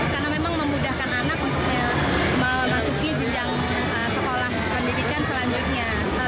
karena memang memudahkan anak untuk memasuki jenjang sekolah pendidikan selanjutnya